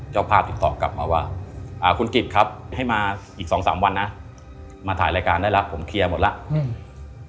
เจ้าภาพติดต่อกลับมาว่าอ่าคุณกิจครับให้มาอีกสองสามวันนะมาถ่ายรายการได้แล้วผมเคลียร์หมดแล้วอืม